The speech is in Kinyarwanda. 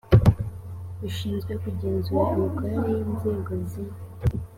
rushinzwe kugenzura imikorere y inzego zimwe